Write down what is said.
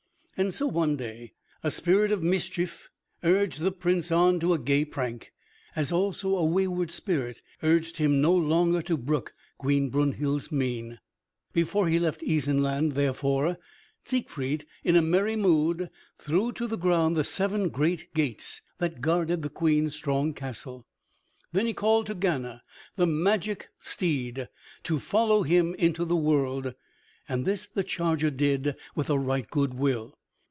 And so one day a spirit of mischief urged the Prince on to a gay prank, as also a wayward spirit urged him no longer to brook Queen Brunhild's mien. Before he left Isenland, therefore, Siegfried in a merry mood threw to the ground the seven great gates that guarded the Queen's strong castle. Then he called to Gana, the magic steed, to follow him into the world, and this the charger did with a right good will.